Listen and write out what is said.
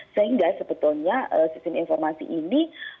sehingga sebetulnya sistem informasi ini